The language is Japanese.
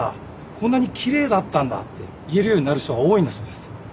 こんなに奇麗だったんだって言えるようになる人が多いんだそうです。